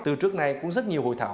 từ trước nay cũng rất nhiều hội thảo